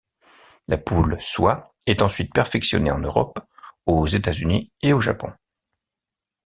La Poule Soie est ensuite perfectionnée en Europe, aux États-Unis et au Japon.